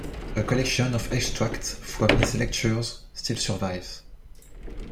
A collection of extracts from his lectures still survives.